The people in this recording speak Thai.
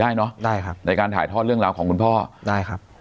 เนอะได้ครับในการถ่ายทอดเรื่องราวของคุณพ่อได้ครับ